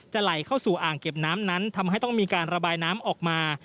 ไหลเข้าสู่อ่างเก็บน้ำนั้นทำให้ต้องมีการระบายน้ำออกมา